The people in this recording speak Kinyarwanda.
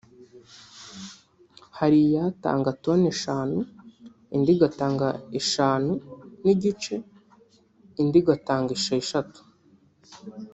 Hari iyatanga toni eshanu indi igatanga eshanu n’igice indi igatanga esheshatu